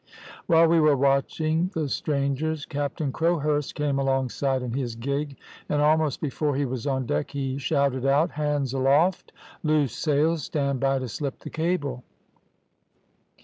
"While we were watching the strangers, Captain Crowhurst came alongside in his gig, and almost before he was on deck he shouted out, `Hands aloft! Loose sails! Stand by to slip the cable!'